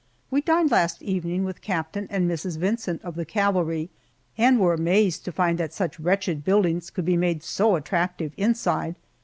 We dined last evening with Captain and Mrs. Vincent, of the cavalry, and were amazed to find that such wretched buildings could be made so attractive inside.